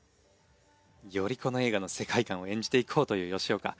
よりこの映画の世界観を演じていこうという吉岡。